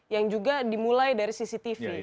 yang juga dimulai dari cctv